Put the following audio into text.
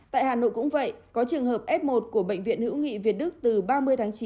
tại hà nội cũng vậy có trường hợp f một của bệnh viện hữu nghị việt đức từ ba mươi tháng chín